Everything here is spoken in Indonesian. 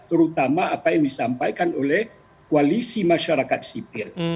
terutama apa yang disampaikan oleh koalisi masyarakat sipil